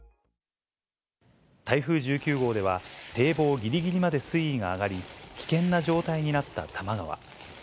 台風１９号では、堤防ぎりぎりまで水位が上がり、危険な状態になった多摩川。